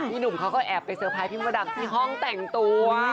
หนุ่มเขาก็แอบไปเซอร์ไพรสพี่มดดำที่ห้องแต่งตัว